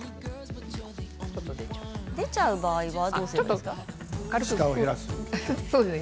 出ちゃう場合はどうすればいいですか？